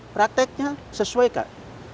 prakteknya sesuai kak